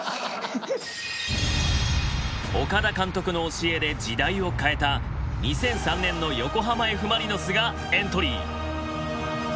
岡田監督の教えで時代を変えた２００３年の横浜Ｆ・マリノスがエントリー。